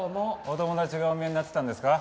お友達がお見えになってたんですか？